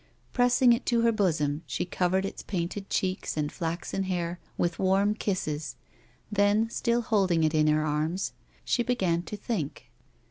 Pressing it to her bosom she covered its painted cheeks and flaxen hair with warm kisses, then, still holding it in her arms, she began to think.